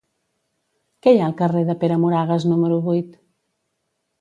Què hi ha al carrer de Pere Moragues número vuit?